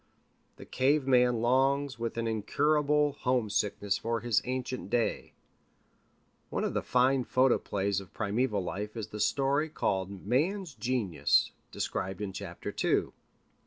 The cave man longs with an incurable homesickness for his ancient day. One of the fine photoplays of primeval life is the story called Man's Genesis, described in chapter two.